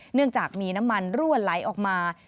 เนื่องจากมีน้ำมันรั่วไหลออกมา